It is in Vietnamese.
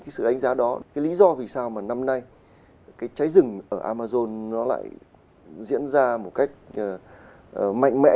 chúng ta đã thấy đó là những tác hại của việc cháy rừng ở amazon như thế nào đối với thế giới